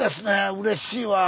うれしいわ。